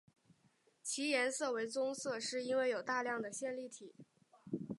其颜色为棕色是因为有大量的线粒体。